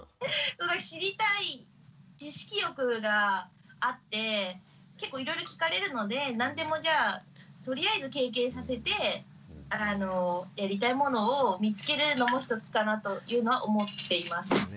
知りたい知識欲があって結構いろいろ聞かれるので何でもじゃあとりあえず経験させてやりたいものを見つけるのも一つかなというのは思っています。